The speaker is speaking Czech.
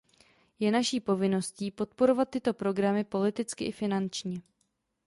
Je naší povinností podporovat tyto programy politicky i finančně.